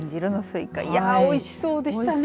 いや、おいしそうでしたね。